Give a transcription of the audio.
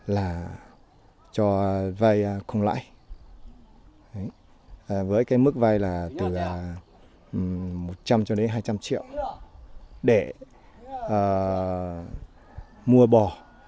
là cho vay không lãi với cái mức vay là từ một trăm linh cho đến hai trăm linh triệu để mua bò